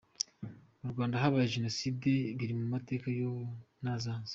Mu Rwanda habaye Jenoside, biri mu mateka y’ubu n’azaza.